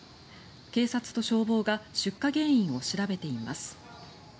警察と消防が出火原因を調べています。